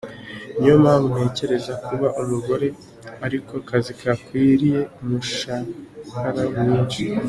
niyo mpamvu ntekerezako kuba umugore ariko kazi gakwiriye umushahara mwinshi.